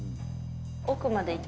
奥までいって。